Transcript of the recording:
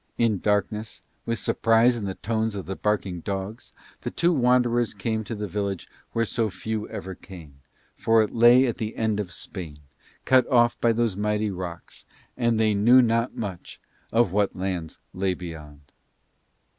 In darkness, with surprise in the tones of the barking dogs, the two wanderers came to the village where so few ever came, for it lay at the end of Spain, cut off by those mighty rocks, and they knew not much of what lands lay beyond.